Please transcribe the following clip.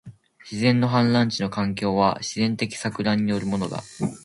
自然の氾濫地の環境は、自然的撹乱によるものだ